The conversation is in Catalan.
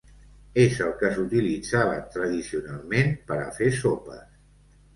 És el que s'utilitzava tradicionalment per a fer sopes.